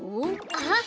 あっ！